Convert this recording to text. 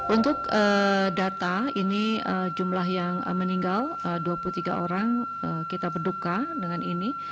untuk data ini jumlah yang meninggal dua puluh tiga orang kita berduka dengan ini